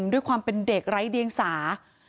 ด้วยความเป็นเด็กไร้เดียงสา